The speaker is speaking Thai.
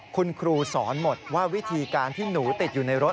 คุณครูสอนหมดว่าวิธีการที่หนูติดอยู่ในรถ